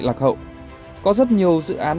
lạc hậu có rất nhiều dự án